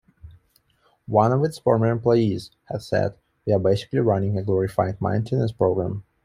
One of its former employees has said, We're basically running a glorified maintenance program.